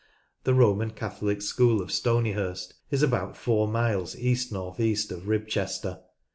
The Roman Catholic School of Stoneyhurst is about four miles east north east of Ribchester.